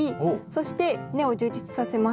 そして根を充実させます。